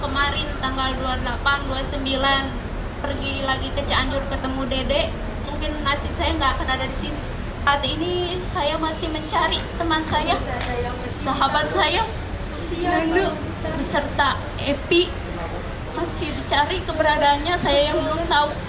masih dicari keberadaannya saya belum tahu di mana mereka berada sekarang